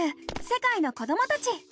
世界の子どもたち」。